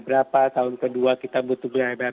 berapa tahun kedua kita butuh beredar